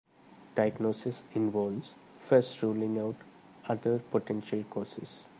Diagnosis involves first ruling out other potential causes.